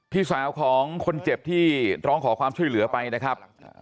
พี่สาวของคนเจ็บที่ร้องขอความช่วยเหลือไปนะครับ